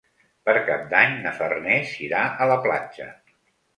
Per Cap d'Any na Farners irà a la platja.